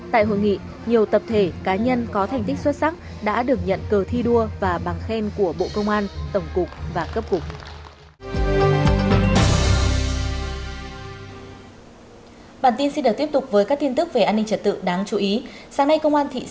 tại hội nghị nhiều tập thể cá nhân có thành tích xuất sắc đã được nhận cờ thi đua và bằng khen của bộ công an tổng cục và cấp cục